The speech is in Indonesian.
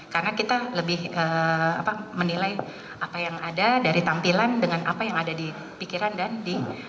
karena kita lebih menilai apa yang ada dari tampilan dengan apa yang ada di pikiran dan di perasaan orang